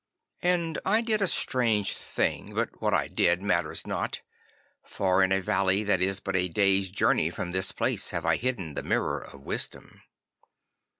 'And I did a strange thing, but what I did matters not, for in a valley that is but a day's journey from this place have I hidden the Mirror of Wisdom.